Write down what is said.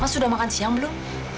mas sudah makan siang belum